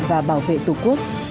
và bảo vệ tục quốc